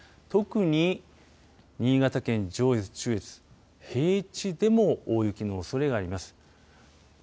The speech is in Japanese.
特に新潟県上越、中越、平地でも大雪のおそれがあります。